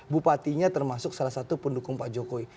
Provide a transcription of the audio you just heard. bupatinya termasuk salah satu pendukung pak jokowi